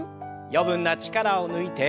余分な力を抜いて。